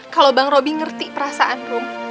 kalau bang robi ngerti perasaan rom